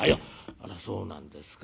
「あらそうなんですか。